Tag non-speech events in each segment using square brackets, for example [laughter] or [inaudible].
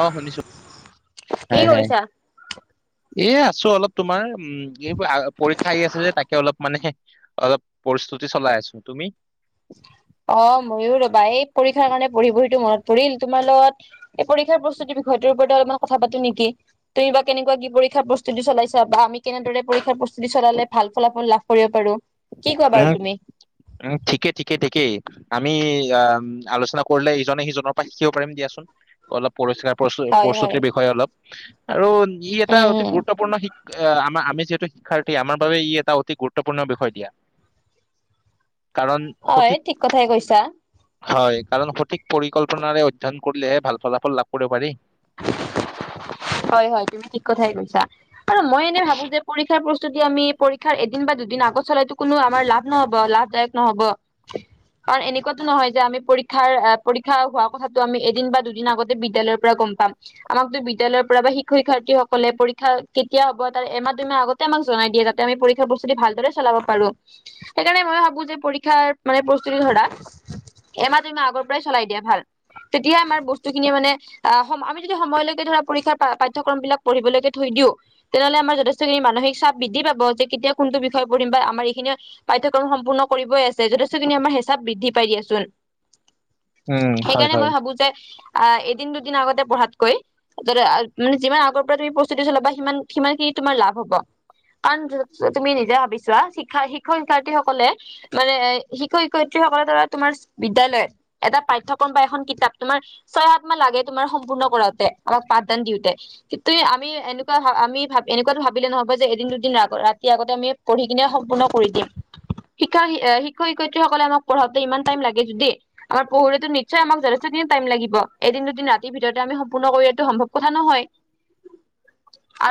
অ শুনিছো, কি হয় হয়। কৰিছা? এ আছো অলপ তোমাৰ উম এইবোৰ আ পৰীক্ষা আহি আছে যে তাকে অলপ মানে হে অলপ প্ৰস্তুতি চলাই আছো, তুমি? অ ময়ো ৰ'বা! এই পৰীক্ষাৰ কাৰণে পঢ়ি বহিটো মনত পৰিল তোমাৰ লগত এই পৰীক্ষাৰ প্ৰস্তুতিৰ বিষয়টোৰ ওপৰতে অলপমান কথা পাতো নেকি? তুমি বা কেনেকুৱা কি পৰীক্ষাৰ প্ৰস্তুতি চলাইছা বা আমি কেনেদৰে পৰীক্ষাৰ প্ৰস্তুতি চলালে ভাল ফলাফল লাভ কৰিব পাৰো? কি কোৱা বাৰু উম, তুমি? উম ঠিকে ঠিকে ঠিকেই। আমি আহ আলোচনা কৰিলে ইজনে সিজনৰ পৰা শিকিব পাৰিম দিয়াচোন। অলপ পৰীক্ষাৰ প্ৰস্তুতি হয় হয় প্ৰস্তুতিৰ বিষয়ে অলপ। আৰু ই এটা উম অতি উম গুৰুত্বপূৰ্ণ শিক আ আমাৰ আমি যিহেতু শিক্ষাৰ তে আমাৰ বাবে ই এটা অতি গুৰুত্বপূৰ্ণ বিষয় দিয়া কাৰণ হয় সঠিক ঠিক কথাই কৈছা। হয় কাৰণ সঠিক পৰিকল্পনাৰে অধ্যয়ন কৰিলেহে ভাল ফলাফল লাভ কৰিব পাৰি। হয় হয় তুমি ঠিক কথাই কৈছা আৰু মই এনে ভাবো যে পৰীক্ষাৰ প্ৰস্তুতি আমি পৰীক্ষাৰ এদিন বা দুদিন আগত চলাইতো কোনো আমাৰ লাভ নহব, লাভদায়ক নহব। কাৰণ এনেকুৱাতো নহয় যে আমি পৰীক্ষাৰ আ পৰীক্ষা হোৱা কথাটো আমি এদিন বা দুদিন আগতে বিদ্যালয়ৰ পৰা গম পাম। আমাকতো বিদ্যালয় পৰা বা শিক্ষক - শিক্ষাৰ্থীসকলে পৰীক্ষা কেতিয়া হব তাৰ এমাহ, দুমাহ আগতে আমাক জনাই দিয়া যা দে আমি পৰীক্ষা প্ৰস্তুতি ভালদৰে চলাব পাৰো। সেইকাৰণে মই ভাবো যে পৰীক্ষাৰ মানে প্ৰস্তুতি ধৰা এমাহ, দুইমাহ আগৰ পৰাই চলাই দিয়া ভাল। তেতিয়া আমাৰ বস্তুখিনি মানে আ সম আমি যদি সময়লৈকে ধৰা পৰীক্ষা বা পাঠ্যক্ৰমবিলাক পঢ়িবলৈকে থৈ দিও তেনেহ'লে আমাৰ যথেষ্টখিনি মানসিক চাপ বৃদ্ধি পাব যে কেতিয়া কোনটো বিষয় পঢ়িম বা আমাৰ এইখিনে পাঠ্যক্ৰম সম্পূৰ্ণ কৰিবই আছে যথেষ্টখিনি আমাৰ হেঁচাপ বৃদ্ধি পাই দিয়াচোন। [inaudible] হয় সেইকাৰণে হয় মই ভাবো যে আহ এদিন- দুদিন আগতে পঢ়াতকৈ যদি আ মানে যিমান আগৰ পৰা তুমি প্ৰস্তুতি চলাবা সিমান সিমানখিনি তোমাৰ লাভ হ'ব। কাৰণ জ জ তুমি নিজে ভাবি চোৱা? শিক্ষা শিক্ষক - শিক্ষাৰ্থীসকলে মানে এই শিক্ষক - শিক্ষয়িত্ৰীসকলে ধৰা তোমাৰ বিদ্যালয়ত এটা পাঠ্যক্ৰম বা এখন কিতাপ, তোমাৰ ছয়, সাত মাহ লাগে তোমাৰ সম্পূৰ্ণ কৰাতে আমাক পাঠদান দিওঁ তে কিন্তু এই আমি এনেকুৱা ভা আমি ভাবি এনেকুৱাতো ভাবিলে নহব যে এদিন - দুদিন আগ ৰাতি আগতে আমি পঢ়ি কিনে সম্পূৰ্ণ কৰি দিম শিক্ষা শিক্ষক শিক্ষয়িত্ৰীসকলে আমাক পঢ়াওঁতে ইমান টাইম লাগে যদিই আমাৰ পহৰাতো নিশ্চয় আমাক যথেষ্ট দিন টাইম লাগিবদ দুদিন ৰাতি ভিততে আমি সম্পূৰ্ণ কৰিটো সম্ভৱ নহয়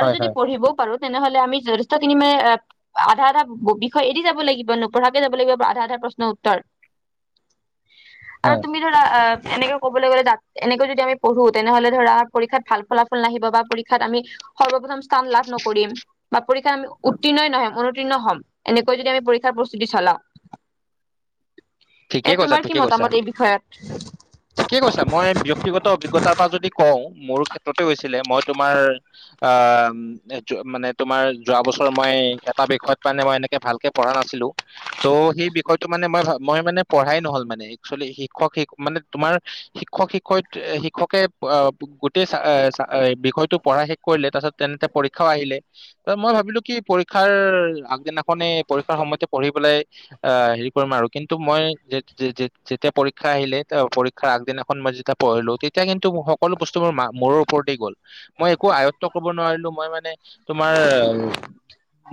আৰু যদি হয় পঢ়িবও পাৰো তেনেহলে আমি যথেষ্টখিনি মানে আধা আধা বিষয় এৰি যাব লাগিব নপঢ়াকে যাব লাগিব আধা আধা প্ৰশ্নৰ উত্তৰ। [inaudible] আৰু হয় তুমি ধৰা অ এনেকে কবলৈ গ'লে তাত এনেকে যদি আমি পঢ়ো তেনেহলে ধৰা পৰীক্ষাত ভাল ফলাফল নাহিব বা পৰীক্ষাত আমি সৰ্বপ্ৰথম স্থান লাভ নকৰিম বা পৰীক্ষা আমি উত্তীৰ্ণ নহম অনুতীৰ্ণ হ'ম। এনেকৈ যদি আমি পৰীক্ষাৰ প্ৰস্তুতি চলাওঁ। এ ঠিকেই কৈছা তোমাৰ কি ঠিকে কৈছা মতামত এই ঠিকে বিষয়ত। কৈছা মই ব্যক্তিগত অভিজ্তাৰ পৰা যদি কওঁ মোৰ ক্ষেত্ৰতে হৈছিলে মই তোমাৰ অ'। মানে তোমাৰ যোৱা বছৰ মই এটা বিষয়ত মানে মই এনেকে ভালকে পঢ়া নাছিলো ত সেই বিষয়টো মানে মই মই মানে পঢ়াই নহল মানে একচুৱেলি শিক্ষক মানে তোমাৰ শিক্ষক শিক্ষয়িত শিক্ষকে গোটেই চা চা বিষয়তটো পঢ়া শ কৰিলে তাৰ পাছত তেনেতে পৰীক্ষাও আহিলে মই ভাবিলো কি পৰীক্ষাৰ আগদিনাখনে পৰীক্ষাৰ সময়তে পঢ়ি পেলাই অ হেৰি কৰিম আৰু। কিন্তু মই যেতিয়া পৰীক্ষা আহিলে পৰীক্ষাৰ আগদিনাখন মই যেতিয়া পঢ়িলোঁ তেতিয়া কিন্তু সকলো বস্তু মা মোৰ ওপৰতে গ'ল। মই একো আয়ত্ব কৰিব নোৱাৰিলো মই মানে তোমাৰ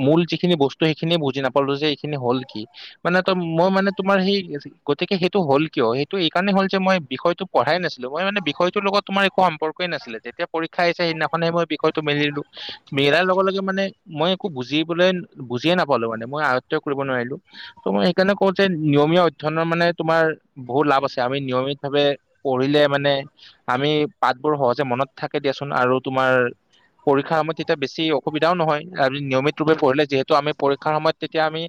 মূল যিখিনি বস্তু সেইখিনিয়ে বুজি নাপালো যে এইখিনি হল কি মানে ত মই মানে তোমাৰ সেই গতিকে সেইটো হ'ল কিয় সেইটো এই কাৰণে হ'ল যে মই বিষয়টো পঢ়াই নাছিলো। মই মানে বিষয়টোৰ লগত তোমাৰ একো সম্পৰ্কে নাছিলে যেতিয়া পৰীক্ষা আছে সদিনাখনে মই বিষয়টো মিলো। মেৰাৰ লগে লগে মানে মই একো বুজিবলৈ বুজিয়ে নাপালো মানে মই আয়ত্ব কৰিব নোৱাৰিলো ত মই সেইকাৰণে ক নিয়মীয়া অধ্যয়নৰ মানে তোমাৰ বহুত লাভ আছে আমি নিয়মিত ভাৱে পঢ়িলে মানে আমি পাতবোৰ সহজে মনত থাকে দিয়াচোন আৰু তোমাৰ পৰীক্ষাৰ সময়ত তেতিয়া বেছ অসবিধাও নহয় আম নিয়মিত ৰূপে পঢ়িলে যিহেতু আমি পৰীক্ষাৰ সময় তেতিয়া আমি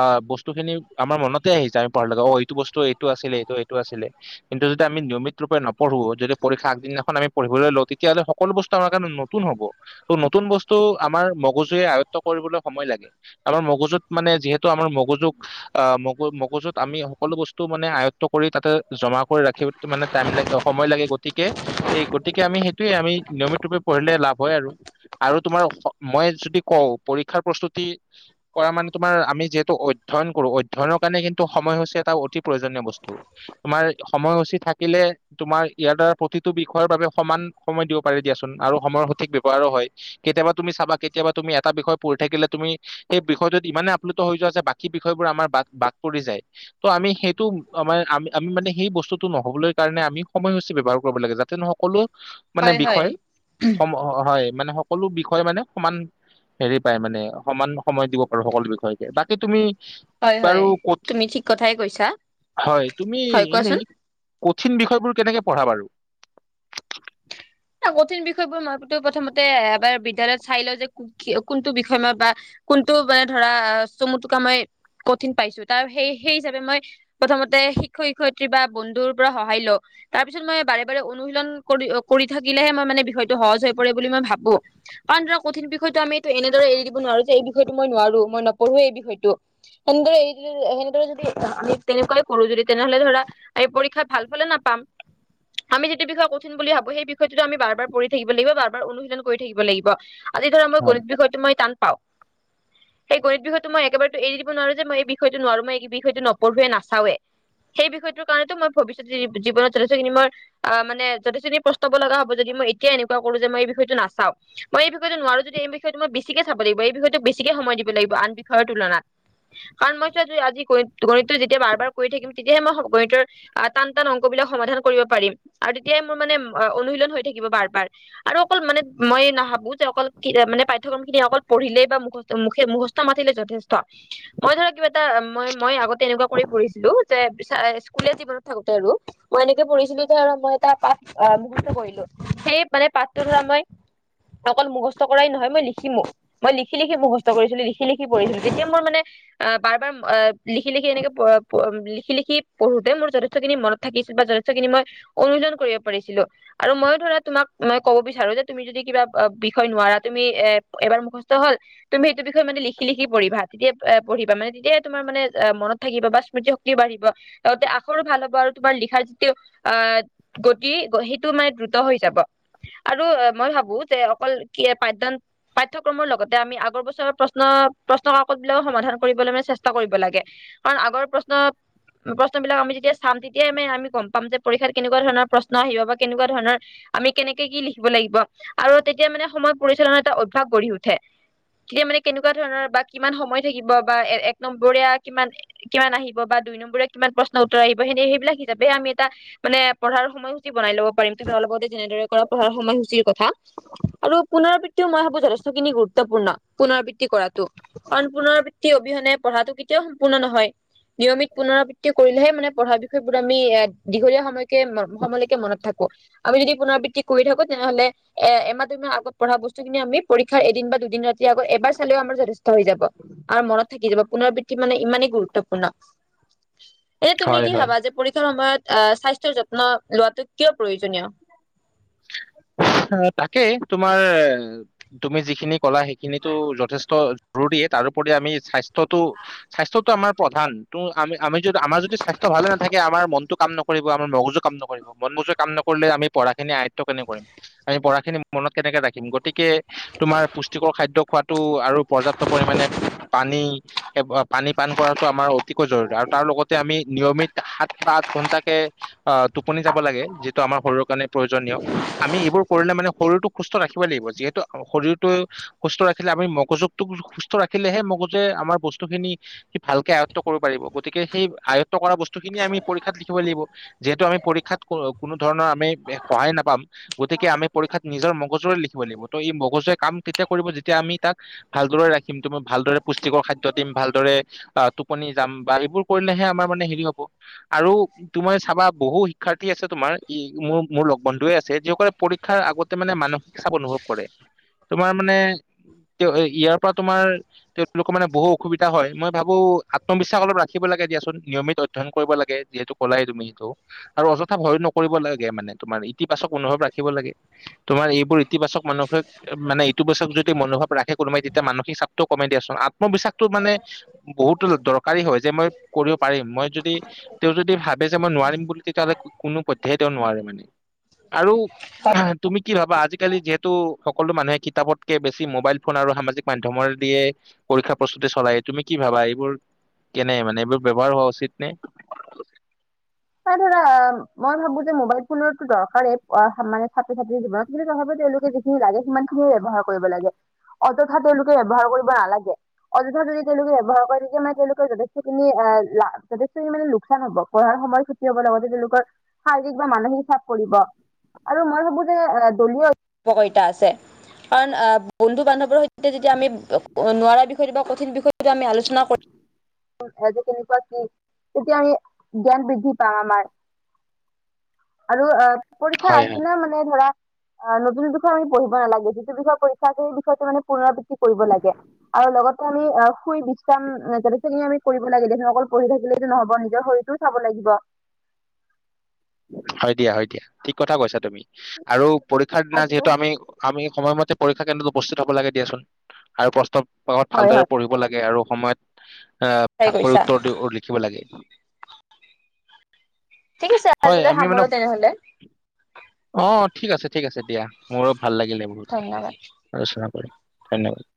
আহ বস্তু খিনি আমাৰ মনত আহি [unintelligible] পাৰ লগ অ এইটো বস্তু এইটো আছিলে এইটো এইটো আছিলে কিন্তু যদি আমি নিয়মিত আগৰ পৰাই নপঢ়ো যদি পৰীক্ষা আগদিনাখন আমি পঢ়িবলৈ লওঁ তেতিয়াহ'লে সকলো বস্তু আমাৰ কাৰনে নতুন হ'ব ত' নতুন বস্তু আমাৰ মগজুৱে আয়ত্ব কৰিবলৈ সময় লাগে আমাৰ মগজুত মানে যিহেতু আমাৰ মগজুক আহ ম মই মগজুত আমি সকলো বস্তু মানে আয়ত্ত কৰি তাতে জমা কৰি ৰাখিব মানে টাইম লাগ সময় লাগে গতিকে এই গতিকে আমি সেইটোয়ে আমি নিয়মিত ৰূপে পঢ়িলে লাভ হয় আৰু আৰু তোমাৰ মই যদি কওঁ পৰীক্ষাৰ প্ৰস্তুতি কৰা মানে তোমাৰ আমি যিহেতু অধ্যয়ন কৰোঁ অধ্যয়নক কাৰণে কিন্তু সময়সূচী এটা অতি প্ৰয়োজনীয় বস্তু তোমাৰ সময়সূচী থাকিলে তোমাৰ ইয়াৰ দ্বাৰা প্ৰতিটো বিষয়ৰ বাবে সমান সময় দিব পাৰি দিয়াচোন আৰু সময়ৰ সঠিক ব্যাৱহাৰো হয় কেতিয়াবা তুমি চাবা কেতিয়াবা তুমি এটা বিষয় পঢ়ি থাকিলে তুমি সেই বিষয়টোত ইমানে আপ্লুত হৈ যোৱা যে বাকী বিষয়বোৰ আমাৰ বাদ বাদ পৰি যায় ত' আমি সেইটো আমাৰ আমি আমি মানে সেই বস্তুটো নহবলৈ কাৰণে আমি সময়সূচী ব্যৱহাৰ কৰিব লাগে যাতে নহওক সকলো মানে হয় হয় বিষয় সম হয় মানে সকলো বিষয় মানে সমান হেৰি পাই মানে সমান সময় দিব পাৰো সকলো বিষয়কে। বাকী তুমি- হয়, বাৰু হয় ক'ত তুমি ঠিক কথাই কৈছা। হয় তুমি হয়, এনেই কোৱাচোন? কঠিন বিষয়বোৰ কেনেকে পঢ়া বাৰু? এ কঠিন বিষয় বোৰ মইতো প্ৰথমতে এবাৰ বিদ্যালয়ত চাই লওঁ যে- কোনটো বিষয়ে মই বা কোনটো মানে ধৰা চমু টোকা মই- কঠিন পাইছো। তাৰ সেই সেই হিচাপে মই- প্ৰথমতে শিক্ষক শিক্ষয়িত্ৰী বা বন্ধুৰ পৰা সহায় লওঁ। তাৰ পিছত মই বাৰে বাৰে অনুশীলন কৰি কৰি থাকিলেহে মই মানে বিষয়টো সহজ হৈ পৰে বুলি মই ভাবোঁ। কাৰণ ধৰা কঠিন বিষয়টো আমি এইটো এনেদৰে এৰি দিব নোৱাৰোঁ যে এই বিষয়টো মই নোৱাৰোঁ, মই নপঢ়োয়ে এই বিষয়টো। সেনেদৰে এই যদি এনেদৰে যদি আমি তেনেকুৱাই কৰোঁ যদি তেনেহলে ধৰা- আমি পৰীক্ষাত ভাল ফালে নাপাম। আমি যিটো বিষয়ে কঠিন বুলি ভাবো সেই বিষয়ে- যিটো আমি বাৰ বাৰ বাৰ পঢ়ি থাকিব লাগিব, বাৰ বাৰ অনুশীলন কৰি থাকিব লাগিব। আজি ধৰা মই হয় গণিত বিষয়টো মই টান- পাওঁ। সেই গণিত বিষয়টো মই একেবাৰেতো এৰি দিব নোৱাৰোঁ যে মই এই বিষয়টো নোৱাৰোঁ, মই এই বিষয়টো নপঢ়োঁৱে নাচাওঁৱে। সেই বিষয়টোৰ কাৰণেতো মই ভৱিষ্যতে জীৱনত যথেষ্টখিনি মই অঁ মানে যথেষ্টখিনি- চাব লগা হ'ব যদি মই এতিয়া এনেকুৱা কৰোঁ যে মই এই বিষয়টো নাচাওঁ। মই এই বিয়টো নোৱাৰো যদি এই বিষয়টো মই এই মই বিষয়টো নোৱাৰোঁ যদি এই বিষয়টো বেছিকে চাব লাগিব, এই বিষয়টোক বেছিকে সময় দিব লাগিব আন বিষয়ৰ তুলনাত। কাৰণ মই চোৱা আজি গণিত গণিতটো যেতিয়া বাৰ বাৰ কৰি থাকিম তেতিয়াহে মই গণিতৰ- আ টান টান অংক বিলাক সমাধান কৰিব পাৰিম আৰু তেতিয়াই মোৰ মানে অনুশীলন হৈ থাকিব বাৰ বাৰ। আৰু অকল মানে মই নাভাবো যে অকল মানে পাঠ্যক্ৰম খিনি অকল পঢ়িলে বা মুখস্থ মুখে মুখস্থ- মাতিলে যথেষ্ট। মই ধৰা কিবা এটা মই মই আগতে এনেকুৱা কৰি পঢ়িছিলোঁ যে স্কুলে জীৱনত থাকোতে আৰু, - মই এনেকে পঢ়িছিলোঁ যে আৰু মই এটা পাঠ মুখস্থ কৰিলোঁ। সেই মানে পাঠটোৰ পৰা মই- অকল মুখস্থ কৰাই নহয়, মই লিখিমো। মই লিখি লিখি মুুখস্থ কৰিছিলোঁ, লিখি লিখি পঢ়ছিলোঁ। তেতিয়া মোৰ মানে- আহ বাৰ বাৰ আ লিখি লিখি এনেকে প প লিখি লিখি পঢ়োতে মোৰ যথেষ্টখিনি মনত- থাকিছিল বা যথেষ্ট খিনি মই অনুশীলন কৰিব পাৰিছিলোঁ। আৰু মই ধৰা তোমাক মই কব বিচাৰো যে তুমি যদি কিবা বিষয় নোৱাৰা, তুমি এ এবাৰ মুখস্থ হ'ল- তুমি সেইটো বিষয়ে মানে লিখি লিখি পঢ়িবা পঢ়িবা, তেতিয়া তেতিয়াহে তোমাৰা মানে অঁ মনত- থাকিব বা স্মৃতি শক্তিও বাঢ়িব লগতে আখৰো ভাল হ'ব আৰু তোমাৰ লিখাৰ যিটো আহ- কি সেইটো মানে দ্ৰুত হৈ যাব আৰু মই ভাবো যে অকল কি পাঠদান- পাঠ্যক্ৰমৰ লগতে আমি আগৰ বছৰৰ প্ৰশ্ন প্ৰশ্ন কাকত বিলাক সমাধান কৰিবলৈ আমি চেষ্টা কৰিব লাগে। কাৰণ আগৰ প্ৰশ্নত- প্ৰশ্ন বিলাক আমি যেতিয়া চাম তেতিয়াই আমি গম পাম যে পৰীক্ষাত কেনেকুৱা ধৰণৰ প্ৰশ্ন আহিব বা কেনেকুৱা ধৰণৰ- আমি কেনেকে কি লিখিব লাগিব আৰু তেতিয়া মানে সময় পৰিচালনাৰ এটা অভ্যাস গঢ়ি উঠে। তেতিয়া মানে কেনেকুৱা ধৰণৰ বা কিমান সময় থাকিব বা এ এক নম্বৰিয়া কিমান- কিমান আহিব বা দুই নম্বৰিয়া কিমান প্ৰশ্ন উত্তৰ আহিব সেনে সেইবিলাক হিচাপে আমি এটা মানে পঢ়াঁৰ সময়- বনাই ল'ব পাৰিম অপল আগতে যেনেদৰে কৰা পঢ়াঁৰ সময়সূচীৰ কথা। আৰু পুনৰাবৃত্তিও মই ভাবো যথেষ্টখিনি গুৰুত্বপূৰ্ণ পুনৰাবৃত্তি কৰাটো। কাৰণ পুনৰাবৃত্তি অবিহনে পঢ়াঁটো কেতিয়াও সম্পূৰ্ণ নহয়। নিয়মিত পুনৰাবৃত্তি কৰিলেহে মানে পঢ়াঁ বিষয়বোৰ আমি এ দীঘলীয়া সময়কে সময়লৈ- থাকো। আমি যদি পুনৰাবৃত্তি কৰি থাকো তেনেহ'লে- এ এমাহ দুমাহ আগত পঢ়াঁ বস্তুখিনি আমি পৰীক্ষাৰ এদিন বা দুদিন ৰাতি আগত এবাৰ চালেও আমাৰ যথেষ্ট হৈ যাব। আৰু মনত থাকি যাব। পুনৰৰাবৃত্তি মানে ইমানেই গুৰুত্বপূৰ্ণ। [unintelligible] এই তুমি হয় কি হয় ভাবা যে, পৰীক্ষাৰ সময়ত আ স্বাস্থ্যৰ যত্ন লোৱাটো কিয় প্ৰয়োজনীয়? অ', তাকেই তোমাৰ তুমি যিখিনি ক'লা সেইখিনিটো যথেষ্ট জৰুৰীয়ে তাৰোপৰি আমি স্বাস্থ্যটো স্বাস্থ্যতটো আমাৰ প্ৰধান, ত' আমি, আমি যদি আমাৰ যদি স্বাস্থ্য ভালে নাথাকে আমাৰ মনটো কাম নক কৰিব আমাৰ মগজু কাম নকৰিব মন মগযোৱে কাম নকৰিলে আমি পঢ়াখিনি আয়ত্ব কেনেকে কৰিম আমি পঢ়া খিনি মনত কেনেকে ৰাখিম গতিকে তোমাৰ পুষ্টিকৰ খাদ্য খোৱাটো আৰু পৰ্যাপ্ত পৰিমাণে পানী সেই, ব পানী পান কৰাটো আমাৰ অতিকৈ জৰুৰী আৰু তাৰ লগতে আমি নিয়মিত সাত বা আঠ ঘন্টাকে আ, টোপনি যাব লাগে, যিটো আমাৰ শৰীৰৰ কাৰণে প্ৰয়োজনীয় আমি এইবোৰ কৰি মানে, মানে শৰীৰটো সুস্থ ৰাখিবৈ লাগিব যিহেতু শৰীৰটো সুস্থ ৰাখিলে আমি মগজুকটো সুস্থ ৰাখিলেহে মগজুৱে আমাৰ বস্তুখিনি সি ভালকে আয়ত্ব কৰিব পাৰিব, গতিকে সেই আয়ত্ব কৰা বস্তু খিনিয়ে আমি পৰীক্ষাত লিখিব লাগিব যিহেতু, আমি পৰীক্ষাত কো-কোনো ধৰণৰ আমি সহায় নাপাম গতিকে আমি পৰীক্ষাত নিজৰ মগজুৰে লিখিব লাগিব, ত' এই মগজুৰে কাম তেতিয়া কৰিব যেতিয়া আমি তাক ভালদৰে ৰাখিম, তুমি ভালদৰে পুষ্টিকৰ খাদ্য দিম, ভালদৰে আ, টোপনি যাম বা এইবোৰ কৰিলেহে আমাৰ মানে হেৰি হব আৰু তোমাৰ চাবা বহু শিক্ষাৰ্থী আছে। তোমাৰ ই মোৰ, মোৰ লগ বন্ধুৱে আছে যিসকলে পৰীক্ষাৰ আগতে মানে মানসিক চাপ অনুভৱ কৰে, তোমাৰ মানে তে এ, ইয়াৰ পৰা তোমাৰ তেওঁলোকৰ মানে বহু অসুবিধা হয়। মই ভাবো আত্মবিশ্বাস অলপ ৰাখিব লাগে, দিয়াচোন নিয়মিত অ অধ্যয়ন কৰিব লাগে, যিহেতু কলাই তুমি সেইটো আৰু অযথা ভয় নকৰিব লাগে মানে তোমাৰ ইতিবাচক অনুভৱ ৰাখিব লাগে, তোমাৰ এইবোৰ ইতিবাচক মানুহে মানে, ইতিবাচক যদি মনোভাৱ ৰাখে কোনোবাই তেতিয়া মানসিক চাপটোও কমে দিয়াচোন, আত্মবিশ্বাসতটো মানে বহুতো যে দৰকাৰী হয়, যে মই কৰিব পাৰিম, মই যদি তেওঁ যদি ভাবে যে মই নোৱাৰিম বুলি, তেতিয়াহ'লে কোনো পধ্যেই তেওঁ নোৱাৰে মানে। আৰু তুমি কি ভাবা, আজিকালি যিহেতু সকলো মানুহে কিতাপতকে বেছি মোবাইল ফোন আৰু সামাজিক মাধ্যমৰ দিয়ে পৰীক্ষা প্ৰস্তুতি চলাই তুমি কি ভাবা এইবোৰ কেনে মানে, এইবোৰ ব্যৱহাৰ হোৱা উচিত নে? এই ধৰা, মই ভাবো যে মোবাইল ফোনৰতো দৰকাৰেই, অহ, মানে ছাত্ৰ-ছাত্ৰীৰ জীৱনত কিন্তু তথাপি তেওঁলোকে যি যি লাগে সিমান খিনিয়ে ব্যৱহাৰ কৰিব লাগে, অযথা তেওঁলোকে ব্যৱহাৰ কৰিব নালাগে। অযথা যদি তেওঁলোকে ব্যৱহাৰ কৰে, তেতিয়া মানে তেওঁলোকৰ যথেষ্টখিনি আ লা যথেষ্টখিনি মানে লোকচান হব, পঢ়াৰ সময়ত ক্ষতি হ'ব লগতে, তেওঁলোকৰ শাৰীৰিক বা মানসিক চাপ পৰিব আৰু মই ভাবো যে এ দলীয় উপ উপকাৰিতা আছে কাৰণ অ', বন্ধু -বান্ধৱৰ সৈতে তে যেতিয়া আমি ব ক নোৱাৰা বিষয়টো বা কঠিন বিষয়টো আমি আলোচনা কৰ [unintelligible] আজি কেনেকুৱা, কি তেতিয়া আমি জ্ঞান বৃদ্ধি তা মাৰ আৰু আ পৰীক্ষাৰ হয় আগদিনা মান মানে ধৰা আ নতুন বিষয় আমি পঢ়িব নালাগে যিটো বিষয় পৰীক্ষাটো সেই বিষয়টো মানে পুনৰাবৃ টি কৰিব লাগে আৰু লগত ক আমি, অ', শুই বিশ্ৰাম যথেষ্ট খিনি আমি কৰিব লাগে দে হুন, অকল পঢ়ি থাকিলেইটো নহব, নিজৰ শৰীৰতো চাব লাগিব। হয় দিয়া, হয় দিয়া, ঠিক কথা কৈছা তুমি আৰু পৰীক্ষাৰ দিনা আজিলৈ যিহেতু হয় আমি আমি সময়মতে পৰীক্ষা কেন্দ্ৰত উপস্থিত হ'ব লাগে দিয়াচোন আৰু প্ৰশ্ন সময়ত ভালদৰে হয় পঢ়িব লাগে আৰু সময়ত আ ঠিকেই ভাগ কৰি কৈছা উত্তৰ দি লিখিব লাগে। ঠিক আছে হয়, আজিলৈ আমি মানে, সামৰো তেনেহলে অ', ঠিক আছে, ঠিক আছে, দিয়া মোৰ ভাল লাগিলে ব ধন্যবাদ [inaudible]